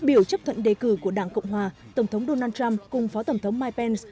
phát biểu chấp thuận đề cử của đảng cộng hòa tổng thống donald trump cùng phó tổng thống mike pence